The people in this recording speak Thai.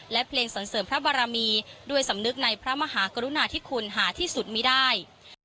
และเพลงสรรเสริมพระบารมีด้วยสำนึกในพระมหากรุณาที่คุณหาที่สุดมีได้